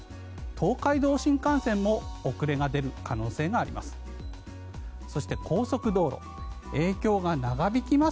東海道新幹線も遅れが出る可能性があります。